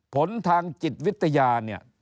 ผลทางจิตวิทยา